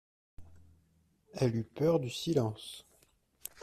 Elle eut peur du silence.